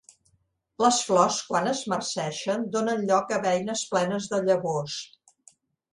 Les flors, quan es marceixen, donen lloc a beines plenes de llavors.